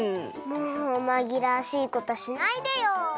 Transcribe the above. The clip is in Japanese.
もうまぎらわしいことしないでよ。